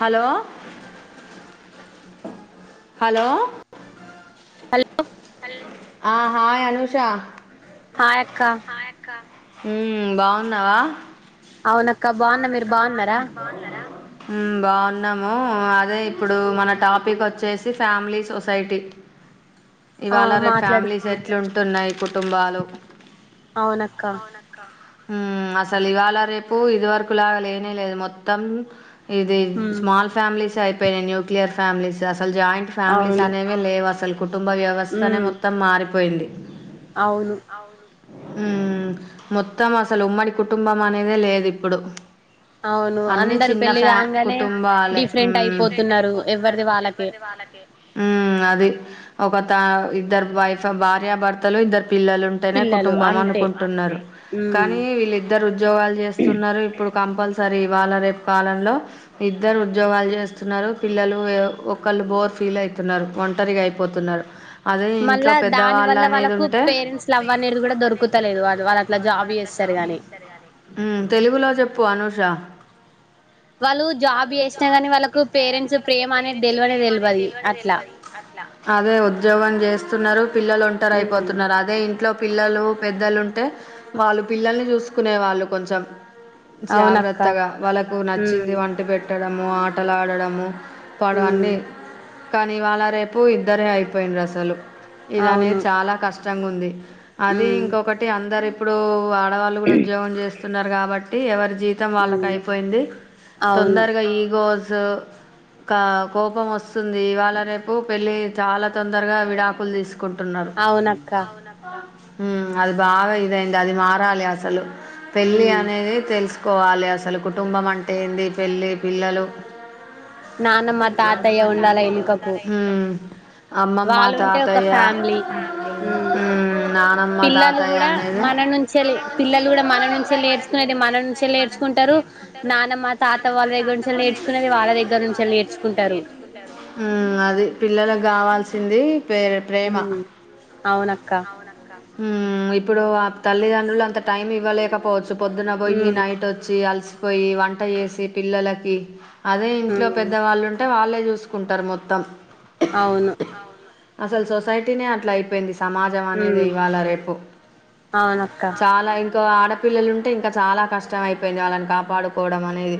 Hello hello hello hello ఆ hi Anusha hi అక్క క హుమ్... బావున్నావా అవునక్క బాగున్నా మీరు బాగున్నారా మ్ బావున్నాము అ.. అదే ఇప్పుడు మన టాపిక్ వచ్చేసి ఫ్యామిలీ సొసైటీ ఆ ఇవాళ రేపు ఫ్యామిలీస్ మాట్లాడుతున్నా ఎట్ల ఉంటున్నాయి కుటుంబాలు అవునక్క అవునక్క ఉమ్ అసలు ఇవాళ రేపు ఇదివరు మునుపులాగ లేనే లేదు మొత్తం ఇది ఉమ్ స్మాల్ ఫ్యామిలీస్ అయిపోయినై న్యూక్లియర్ ఫ్యామిలీస్ అస్ సలు జాయింట్ ఫ్యామిలీస్ అవును అనేవి లేవు అసలు కుటుంబ వ్యవస్థనే ఉమ్ మొత్తం మారిపోయింది అవును ఉమ్ మొత్తం అసలు ఉమ్మడి కుటుంబం అనేదే లేదు ఇప్పుడు అవును అన్ని అందరు చిన్న పెళ్లి ఫ్యా కాంగానే కుటుంబాలే డిఫరెంట్ ఉమ్ అయిపోతున్నారు ఎవరిది వాళ్ళకే ఉమ్ అది ఒకత ఇద్దరు వైఫ్ భార్యాభర్తలు ఇద్దరు పిల్లలు ఉంటేనే పిల్లలు కుటుంబం అంతే అనుకుంటున్నరు ఉమ్ కానీ వీళ్ళిద్దరు ఉద్యోగాలు చేస్తున్నారు, ఇప్పుడు కంపల్సరీ ఇవాళ రేపు కాలంలో ఇద్దరూ ఉద్యోగాలు చేస్తున్నారు పిల్లలు ఒకళ్ళు బోర్ ఫీల్ ఐతున్నారు ఒంటరిగా అయిపోతున్నారు అదే ఇంట్లో మళ్ళా దాని పెద్దవాళ్ళు వల్ల అనేది కొంత వాళ్ళకు ఉంటే పేరెంట్స్ లవ్ అనేటిది కూడా దొరుకుతలేదు వారు వాళ్ళు అట్లా జాబ్ చేస్తారు గాని ఊ తెలుగులో చెప్ పు అనూష వాళ్ళు జాబ్ చేసిన కాగానీ వాళ్ళకు పేరెంట్స్ ప్రేమ అనేది తెలివనే తెలివది అట్లా అదే ఉద్యోగం చేస్తున్నారు పిల్లలు ఒంటరి ఉమ్ అయిపోతున్నారు అదే ఇంట్లో పిల్లలు పెద్దలు ఉంటే వాళ్ళు పిల్లల్ని చూసుకునే వాళ్ళు కొంచెం అవునక్క జాగ్రత్తగా వాళ్ళలకు ఉమ్ నచ్చింది వంట పెట్టడం ము ఆటలాడము పడ ఉమ్ అన్నీ కానీ వాళ్ళ రేపు ఇద్దరే అయిపోయిండ్రు అసలు ఇది అనేది అవును చాలా కష్టం కష్టంగా ఉంది అది ఉమ్ ఇంకొకటి అందరి ఇప్పుడు ఆ ఆడవాళ్ళు కూడ ఉద్యోగం చేస్తున్నారు కాబట్టి ఎవరి జీవితం వాళ్ళకు ఉమ్ అయిపోయింది అవును తొందరగా ఈగో కోజు కా కోపం వస్తుంది ఇవాళ రేపు పెళ్ళి చాల తొందరగా విడాకులు తీసుకు కుంటున్నారు అవునక్క అవునక్క అది బాగ ఇదైంది అది మారాలి అసలు పెళ్ళి ఉమ్ అనేది సుకోవాలి అసలు కుటుంబం అంటే ఏంది పెళ్ళి పిల్లలు నానమ్మ తాతయ్య నానమ్మ ఉండాల తాతయ్య ఎనుకకు ఉండలా ఉ వాళ్ళుంటే ఒక ఫ్యామిలీ ఉమ్ నానమ్మ పిల్లలు తాతయ్య కూడా అనేది మన నుంచే పిల్లలు కూడా మన నుంచే నేర్చుకునేది మన నుంచి పెళ్ళి చేసుకుంటారు నానమ్మ తా నుంచి నేర్చుకుంటారు మ్ అది పిల్లలకు కావాల్సి తింది ఉహు అవునక్క మ్ ఇప్పుడు వాళ్ళ తల్లిదండ్రులు అంత టైం ఇవ్వలేకపోవచ్చు పొద్దున పోయి ఉమ్ నైట్ వచ్చి అల్సి పోయి వంట చేసి పిల్లలకి అదే ఇంట్లో ఉమ్ పెద్దవాళ్ళుంటే వాళ్ళే చూస్త కుంటార్ మొత్తం ఔను అసలు సొసైటీనే అట్లా అయిపోయింది సమాజం అనేదే ఉమ్ ఇవాళ రేపు అవునక్క చాలా కో ఆడపిల్లలు ఉంటే ఇంకా చాలా కష్టం అయిపోయింది వాళ్ళని కాపాడుకోవడం అనేది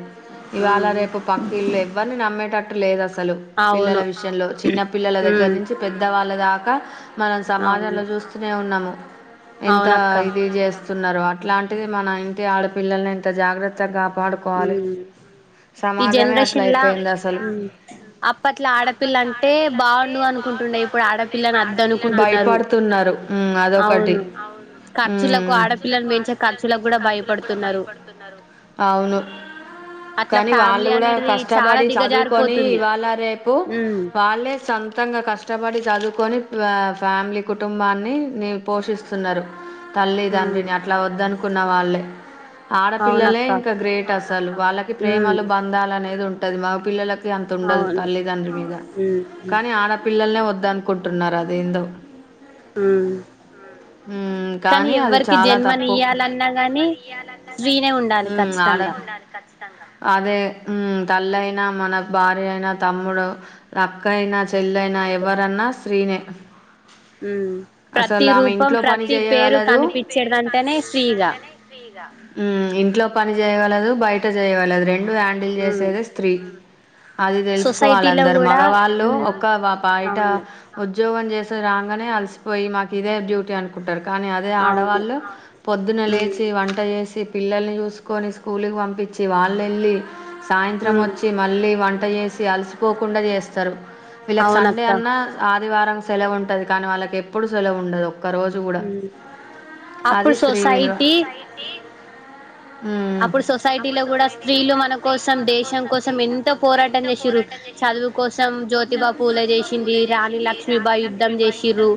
ఇవాళ ఉమ్ రేపు పక్కిల్లే వ్వరిని నమ్మేటట్టు లేదస్ తలు పిల్లల అవును విషయంలో చిన్న పిల్లల దగ్గర ఉమ్ నుంచి పెద్దవాళ్ళ దా కా మనం అవును సమాజంలో చూస్తూనే ఉన్నాము ఎంత అవునక్క ఇది చేస్ తున్నారు అట్లాంటిది మన ఇంటి ఆడపిల్లల్ని ఏంత జాగ్రత్తగా పాడుకోవాలి ఉమ్ ఈ జనరేషన్లా అసలు అప్పట్లో ఆడపిల్ల అంటే బావుండు అనుకుంటుండే ఇప్పుడు ఆడపిల్లని అద్దనుకుంటున్నారు భయపడుతున్నారు ఉమ్ అదొకటి అవును ఖర్చులకు ఉమ్ ఆడపిల్లను పెంచే ఖర్చులకు కూడా భయపడుతున్నారు అవును అట్లా కానీ వాళ్ళు ఫ్యామిలీ గుడా అనేది చాలా కష్టపడి చదువుకొని దిగజారిపోతుంది ఇవాళ రేపు మ్మ్ వాళ్ళే సొంతంగా కష్టపడి చదువుకొని ఫ్యామిలి కుటుంబాన్ని పోషిస్తున్నారు మ్మ్ తల్లిదండ్రిని అట్ల వద్దనుకున్ ఉన్నవాల్లె ఆడపిల్లలే అవునక్క ఇంక గ్రేట్ అస్ వాళ్ళకి మ్మ్ ప్రేమలు బంధాలనేవి నేది ఉంటది మా పిల్లలక్ కి అంత ఉండదు అవును తల్లిదండ్రి మీద మ్మ్ కానీ ఆడపిల్లల్నే వద్ ద్దనుకుంటున్నారు అదేందో మ్మ్ ఊమ్ కానీ అది ఎవ్వరికి చాలా తప్పు జన్మనియ్యాలన్నా గాని స్త్రీనే ఉండాలి ఊమ్ ఆడ ఖచ్చితంగా అదే ఊమ్ తల్లయినా మన భార్య అయినా తమ్ముడు అక్క అయినా చెల్లైన అంతే ఎవరన్నా స్త్రీనే ప్రతి అసలు ఆమె రూపం ఇంట్లో పని ప్రతి పేరు చేయగలదు కనిపిచ్చేటిదంటేనే స్త్రీ ఇగా ఉమ్ ఇంట్లో పని చేయగలదు బయ్ ట చేయగలదు రెన్ డు హ్యాండిల్ ఉమ్ చేసేదే స్త్రీ అది తెలుసుకోవాలి సొసైటీలో అందరు కూడా మగవాళ్ళు ఉమ్ ఒక వ బయట అవును ఉద్యోగం చేస్ ఇట్లా రాంగానే అలిసిపోయి మాకు ఇదే డ్యూటీ అనుకుంటారు. కానీ అదే అవును ఆడవాళ్ళు పొద్దున ఉమ్ లేచి వంట చేసి పిల్లల్ని చూసుకొని స్కూల్ కి పంపి చ్చి వాళ్ళెళ్లి సాయంత్రం ఉమ్ వచ్చి మళ్ళీ వం ట చేేసి అలసిపోకుండా చేస్తారు వీళ్లకు సండే అవునక్క అన్న ఆదివారం సెలవు ఉంటది కానీ వాళ్ళకి ఎప్పుడు సెలవు ఉండదు. ఒక్క రోజు కూడా హ్మ్ అది అప్పుడు స్త్రీ విలువ సొసైటీ ఉమ్. అప్పుడు సొసైటీలో అప్పుడు కూడా స్త్రీలు మన కోసం దేశం కోసం ఎంతో పోరాటం చేసిర్రు. చదువు కోసం జ్యోతిబా పూలే చేసింది రాణి లక్ష్మిీబాయ్ యుద్ధం చేసిర్రు.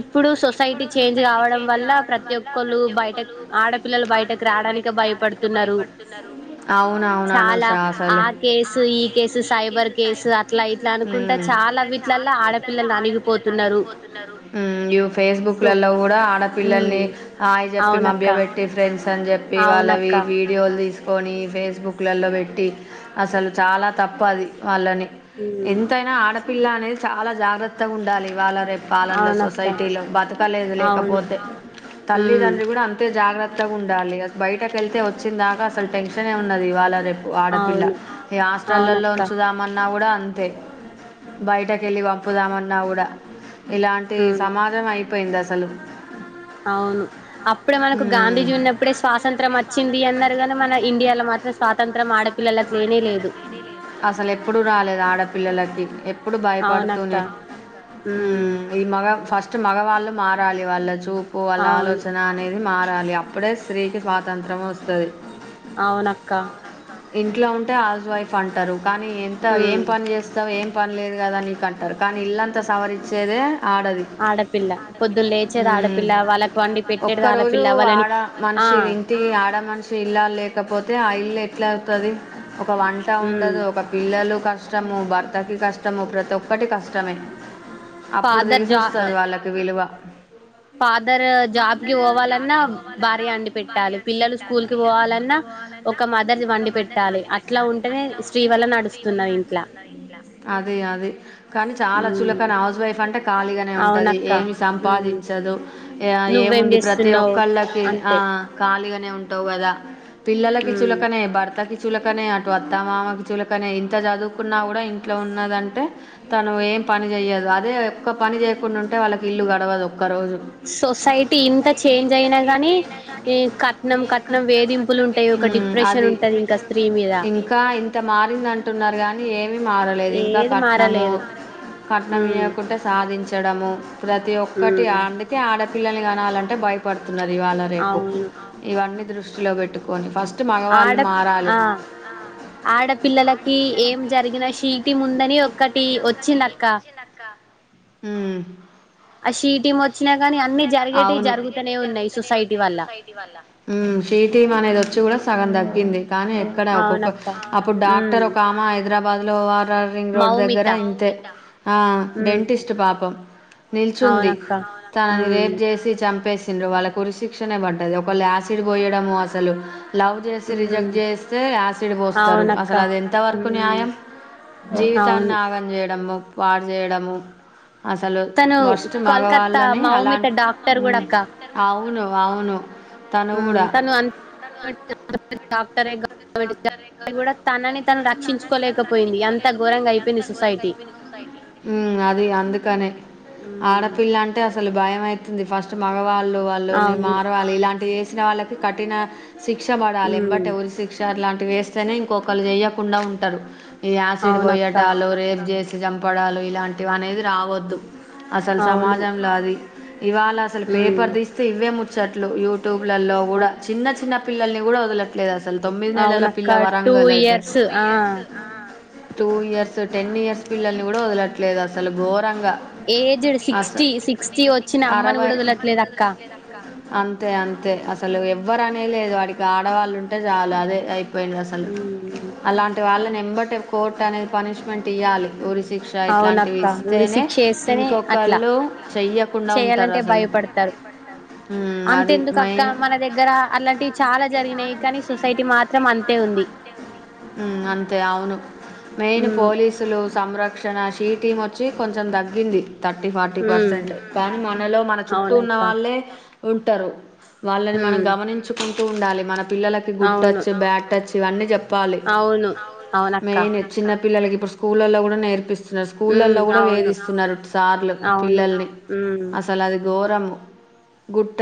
ఇప్పుడు సొసైటీ చేంజ్ కావడం వల్ల ప్రతి ఒక్కళ్లు బయట ఆడపిల్లలు బయటకు రాడానికి భయపడ్ [unintelligible] భయపడుతున్ అవునవును అనూష చాలా ఆ అసలు కేసు ఈ కేసు సైబర్ కేసు అట్లా ఇట్లా అనుకుంటా ఊమ్ చాలా వీట్లల్ల ఆడపిల్లలు అణిగిపోతున్నారు ఊమ్ ఇ ఫేసుబుక్ సో లలో కూడా ఉమ్ ఆడపిల్లల్ని హాయ్ చెప్పి అవునక్క మభ్య పెట్టి ఫ్రెండ్స్ అని చెప్పి వాళ్ళవి అవునక్క వి వీడియోలు తీస్ కొని ఫేసుబుక్ లలో పెట్టి అసలు చాలా తప్పు అది. వాళ్ళని ఉమ్ ఎంతైనా ఆడ పిల్ల అనేది చాలా జాగ్రత్తగా ఉండాలి. ఇవాల రేపు కాలంలో అవునక్క సొసైటీలో బతకలేదు అవును లేకపోతే ఉమ్ తల్లిదండ్రి కూడా అంతే జాగ్రత్ త్తగా ఉండాలి బయటకు వెళ్తే వచ్చిందాకా అసలు టెన్షన్ ఏ ఉన్నది ఇవ్వాళ రేప్ పు ఆడపిల్ల అవును ఇగ హాస్టల్లలో అవునక్క ఉంచుదామన్నా గూడా అంతే బయటకెళ్ళి పంపుదామన్నా కూడా ఇలాంటి ఉమ్ సమాజం అయిపోయింది అసల్ తలు అవును అప్పుడే మనకు మ్మ్. గాంధీజీ ఉన్నప్పుడే స్వాతంత్రం వచ్చింది అన్నారు కానీ మన ఇండియాలో మాత్రం స్వాతంత్ర్యం ఆడపిల్లలకి లేనే లేదు ది ఎ ఎప్పుడు అవునక్క భయపడుతూనే ఉమ్ అవునక్కా ఈ మగ ఫస్ట్ ఫస్ట్ మగవాళ్ళు మారాలి వాళ్ళ చూ పోవాల అవును ఆలోచన అనేది మా డాలి అప్పుడే స్త్రీకి స్వాతంత్రము వస్తది అవునక్క ఇంట్లో ఉంటే హౌస్ వైఫ్ అంటారు కానీ ఎంత ఉమ్ ఏం పని చేస్తావు ఏం పని లేదు కదా నీకు అంటారు కానీ ఇల్లంతా సవరిచ్చేదే ఆడపిల్ల పొద్దులు లేచేది ఆడపిల్ల వాళ్ళకి వండి ఉమ్ ఒక్క పెట్టేది రోజు ఆడపిల్ల వాళ్ళని ఆ ఇల్లా లేకపోతే ఆ ఇల్లు ఎట్లా అవుతుంది ఒక వంట ఉమ్ ఉండదు ఒక పిల్లలు కష్టము భర్తకి కష్టము ప్రతి ఒక్కటి కష్టమే అప్పుడు ఫాదర్ జా తెలిసిస్తది వాళ్ళకి విలువ ఫాదర్ జాబ్ కి పోవాలన్నా భార్య అండి పెట్టాలి పిల్లలు స్కూల్ కి పిల్లలు స్కూల్ పోవాలన్నా కి పోవాలన్నా ఒక మదర్ ఒక వండి మద్దతి పెట్టాలి వండి అట్లా పెట్టాలారు ఉంటేనే అట్లా స్త్రీ ఉంటే వల్ల స్త్రీ వల్ల నడుస్తున్నది ఇంట్లా నడుతున్నారు ఇట్లా అదే అదే కానీ చాలా ఉమ్ చులకాన హౌస్ వైఫ్ అంటే ఖాళీగానే ఉంటది అవునక్క ఏమి ఉమ్ సంపాదించదు నువ్వేం ఏముంది ప్రతి చేస్తున్నావు ఒక్కళ్ళకి ఆ అంతే ఖాళీగానే ఉంటు కదా పిల్లకి ఉమ్ చులకనే భర్తకి చు కనే అటు అత్త మామకి చులకనే ఇంత చదువుకున్నా కూడా ఇంట్లో ఉన్నదంటే తను ఏం పని చెయదు అదే ఒక పని చేయకుండా ఉంటే వాళ్ళ ఇల్లు గడవదు ఒక్క రోజు సొసైటీ ఇంత చేంజ్ అయినా గానీ ఇ కట్ కట్నం కట్నం వేధింపులు ఉంటాయి ఒక మ్మ్, డిప్రెషన్ అది ఉంటది ఇంకా స్త్రీ మీద ఇంకా ఇంత మారింది అంటున్నారు కానీ ఏ మారలేదు ఇంకా ఏది కట్నము మారలేదు కట్నం ఉమ్ ఇవ్వకుంటే సాధించ తొడము ప్రతి ఒక్కటి ఉమ్ [unintelligible] పిల్లల్ని కనాలంటే భయపడు తున్నది ఇవాళ రేపో అవును ఇవన్నీ దృష్టిలో పెట్టుకొని ఫస్ ఆడ ఆ ఆడపిల్లలకి ఏం జరిగిన శి ఒకటి ముందని ఒక్కటి వచ్చింది అక్క ఉమ్ ఆ షీటి షి వచ్చినా టీమ్ గాని అన్ని వచ్చినద అ జరిగేటివి జరుగుతూనే జరుగు ఉన్నాయి సొసైటీ ఉన్నాయి వల్ల సొసైటీ వల్ షీ టీమ్ అనేది వచ్చి కూడ సగం దగ్గింది కానీ ఎక్కడ ఒక్కొక్క అవునక్క అప్పుడు ఉమ్ డాక్టర్ ఒక ఆమ హైదరాబాద్ లో వర్ర్ రింగ్ రోడ్ దగ్గర మౌమిత ఇంతే ఆ ఉమ్ డెంటిస్ట్ పాపం నిల్చుంది అవునక్క తనని ఉమ్ రేపు చేసి చంపేస్ వాళ్ళకు ఊరి శిక్షణ పడ్డది ఒకళ్ళ యాసిడ్ పోయడము అసలు లవ్ చేసి రిజెక్ట్ ఉమ్ చేస్తే యాసిడ్ పోస్తారు అవునక్క అసలు అది ఎంతవరకు ఉమ్ న్యాయం జీవితాన్ని అవును ఆగం చేయడము వాడు చేేయడము అసలు తను ఫస్ట్ కోల్కత్తా మగవాళ్ళని అలా మౌమిత డాక్టర్ కూడా అవును అవును తను ఇమ్ కూడా తను ఆన్ [unintelligible] సరేగ మ్ రక్షించుకోలేకపోయింది. అంత ఘోరంగా అయిపోయింది సొసైటీ. అది అందుకనే హ్మ్. ఆడపిల్ల అంటే అసలు భయమై తుంది ఫస్ట్ మగవా వాళ్ళు వాళ్ళుని అవును. మరవాలి ఇలాంటివి చెస్ ఇచ్చిన వాలకు కటిన శిక్ష పడాలి హ్మ్. ఎంబట్టే ఊరి శి శిక్ష అట్లాంటివి వేస్తేనే ఇంకొకలు చెయ్యకుండా ఉంటరు ఈ యాసిడ్ అవునక్క. పోయటాలు రేప్ చేస్ చంపడాలు ఇలాంటివి అనేది రావొద్దు అసలు అవును. సమాజంలో ఆది ఇవాళ అసల్ హ్మ్. పేపర్ తీస్తే ఇవే ము చెట్లు యూట్యూబ్లలో గూడ అవు చిన్న చిన్న పిల్లల్ని గూడ వదలట్లే అసలు తొమ్మిది నెలల అవునక్క పిల్ల టూ వరంగల్ అయితే ఇయర్స్ ఆ టూ ఇయర్స్ టెన్ ఇయర్స్ పిల్లల్ని గూడ వదలట్లేదు అసలు ఘోరంగా ఏజ్డ్ అస సిక్స్టీ సిక్స్టీ వచ్చిన అమ్మని అరవై గూడా వదలట్ లేదు అక్క అంతే అంతే అసలు ఎవ్వరనే లేదు వాడికి ఆడవాళ్ళు ఉంటే చాలు అదే అయి [unintelligible] అసలు హ్మ్. అలాంటి వాళ్ళనే ఎంబట్టే కోర్టు అనేది పనిష్మెంట్ ఇయ్యాలి ఊరి సి అవునక్క ఊరి శిక్ష ఎస్తేనే అట్లా ఇంకొకళ్ళు చెయ్యకుండా ఉంటారు చేయాలంటే అసలు భయపడతారు ఉమ్, అది అంతెందుకు అక్క మెయిన్ మన దగ్గర అలాంటివి చాలా జరిగినాయి కానీ సొసైటీ మాత్రం అంతే ఉంది. ఉమ్ అంతే అవును మెయిన్ ఉమ్ పోలీసులు సంరక్షణ నా షి టీం వచ్చి కొంచం దగ్గింది థర్టీ ఫార్టీ ఉమ్ పర్సెంట్ కానీ మనలో మన చుట్టూ ఉన్న అవునక్క వాళ్ళే ఉం టారు వాళ్ళని మనం ఉమ్ గమనించుకుం స్తూ ఉండాలి మన పిల్ల గుడ్ అవును టచ్ బ్యాడ్ టచ్ ఇవ్వని చెప్పాలి అవును అవునక్క మెయిన్ చిన్న పిల్లలకి ప్పుడు స్కూళ్ళలో కూడా నేర్పిస్ ఉమ్ స్కూళ్లల్లో కూడా అవును వేధిస్తున్నారు సార్లు అవును పిల్లల్ని అసలు అది ఘోరం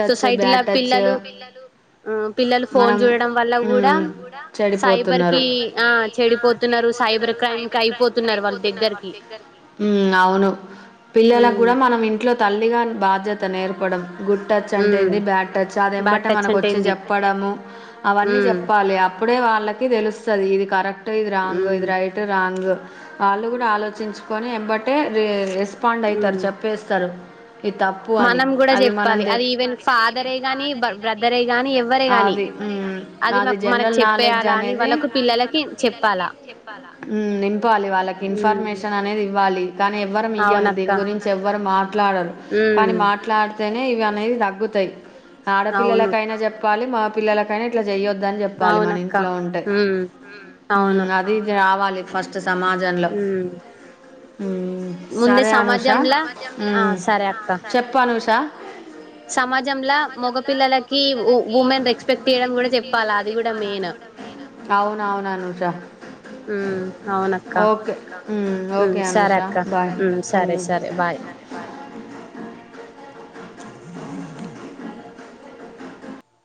సొసైటీలో పిల్లలు ఆ పిల్లలు ఫోన్ చూడడం వల్ల కూడా ఉమ్ సైబర్ చెడిపోతున్నారు కి ఆ చెడిపోతున్నారు సైబర్ క్రైమ్ కి అయిపోతున్నారు వాళ్ళ దగ్గరికి ఉమ్ అవును పిల్లల ఉమ్ కూడా మన ఇంట్లో తల్లిగాన్ బాధ్యత నేర్పడం గుడ్ టచ్ అంటే ఉమ్ ఏంది బ్యాడ్ టచ్ అది బ్యాడ్ ఎంబటే టచ్ మనకు అంటే వచ్చి ఏంది చెప్పడము అవన్నీ ఉమ్ చెప్పాలి అప్పుడే వాళ్ళకి తెలుస్తది ఇది కరెక్ట్ ఇది రాంగ్ ఉమ్ ఇది రైట్ రాంగ్ వాళ్ళు కూడా ఆలోచించుకొని ఎంబట్టే రే స్పాండ్ అవుతారు ఉమ్ చెప్పేస్తారు ఇది తప్పు అని మనం కూడా అది మన చెప్పాలి అది ఈవెన్ ఫాదరే గాని బ బ్రదరే గాని ఎవ్వరే గాని అది గాని మ్మ్ అది మాకు మనకు జనరల్ నాలెడ్జ్ చెప్పేయాలా అని అనేది వాళ్ళకు పిల్లలకి చెప్పాలా ఉ నిం వాలి వాళ్ళకి ఉమ్ ఇన్ఫర్మేషన్ అనేది ఇవ్వాలి కానీ ఎవ్వరం ఇవ్యం అవునక్క దీని గురించి ఎవ్వరు మాట్లాడరు కానీ ఉమ్ మాట్లాడితే ఇవి అనేవి తగ్గుతాయి అవును ఆడపిల్లలకైనా చెప్పాలి మా పిల్లకైనా ఇట్ల చేయో ద్ అని చెప్పాలి మన అవునక్క ఇంట్లో ఉంటే ఉమ్ అవును ఉమ్ అదిది రావాలి ఫస్ట్ సమాజంలో ఉమ్ ముందే సరే అనూషా సమాజంలా ఆ సరే అక్క చెప్పు అనూషా సమాజంలా మొగపిల్లలకి ఉమె మెయిన్ అవున అవును అనుష ఉమ్ అవునక్క ఓకే ఓకే ఉమ్ సరే అనుషా అక్క బాయ్ ఉమ్ సరే సరే బాయ్